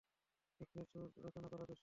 দুঃখের সুর রচনা করা বেশ সহজ।